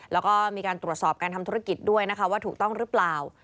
แล้วก็มีการตรวจสอบการทำธุรกิจด้วยนะคะว่าถูกต้องหรือเปล่า